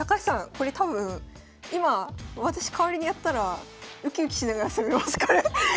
これ多分今私代わりにやったらウキウキしながら攻めますこれ。